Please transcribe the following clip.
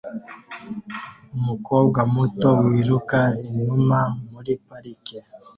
Umukobwa muto wiruka inuma muri parike